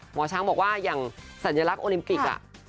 หมอช้างบอกว่าอย่างสัญลักษณ์โอลิมปิก